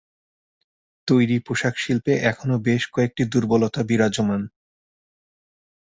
তৈরি পোশাক শিল্পে এখনো বেশ কয়েকটি দুর্বলতা বিরাজমান।